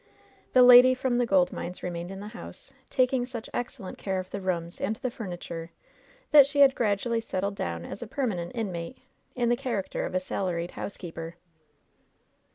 The lady from the gold mines remained in the house, taking such excellent care of the rooms and the furni ture that she had gradually settled down as a permanent inmate, in the character of a salaried housekeeper.